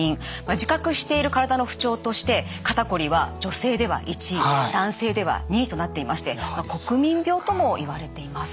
自覚している体の不調として肩こりは女性では１位男性では２位となっていまして国民病ともいわれています。